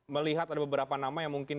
melihat ada beberapa nama yang mungkin